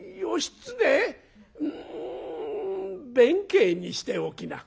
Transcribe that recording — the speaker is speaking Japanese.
うん弁慶にしておきな」。